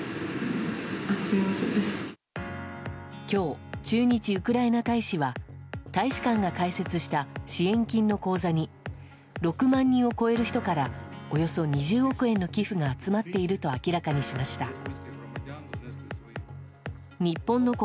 今日、駐日ウクライナ大使は大使館が開設した支援金の口座に６万人を超える人からおよそ２０億円の寄付が集まっていると明らかにしました。